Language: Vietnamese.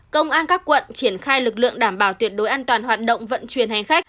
công an các quận triển khai lực lượng đảm bảo tuyệt đối an toàn hoạt động vận chuyển hành khách